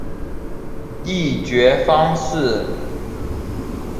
议决方式